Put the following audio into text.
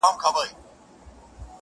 پخواني خلک له طبیعت سره نږدې وو